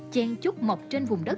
chèn chút mọc trên vùng đất